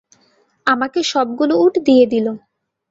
আমাকে সবগুলো উট দিয়ে দিল।